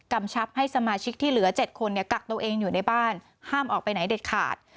ชับให้สมาชิกที่เหลือ๗คนกักตัวเองอยู่ในบ้านห้ามออกไปไหนเด็ดขาด